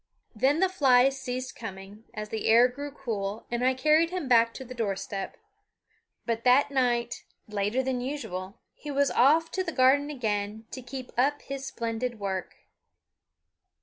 Then the flies ceased coming, as the air grew cool, and I carried him back to the door step. But that night, later than usual, he was off to the garden again to keep up his splendid work.